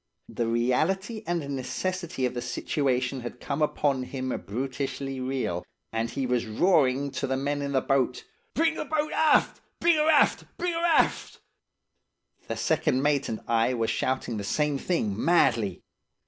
The reality and necessity of the situation had come upon him brutishly real, and he was roaring to the men in the boat, 'Bring the boat aft! Bring 'er aft! Bring 'er aft!' The second mate and I were shouting the same thing madly.